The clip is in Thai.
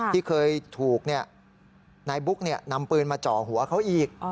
ที่เคยถูกนายบุ๊กนำปืนมาจ่อหัวเขาอีก